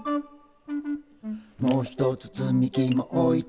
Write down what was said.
「もひとつ積み木もおいてく」